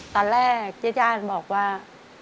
ตอนแรกเจ้าจ้านบอกว่า